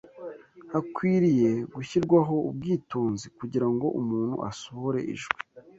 Hakwiriye gushyirwaho ubwitonzi kugira ngo umuntu asohore ijwi